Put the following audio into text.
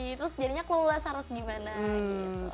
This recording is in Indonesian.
terus jadinya kelulus harus gimana gitu